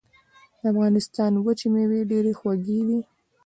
د افغانستان وچې مېوې ډېرې خوږې دي.